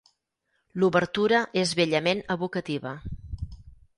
L'obertura és bellament evocativa.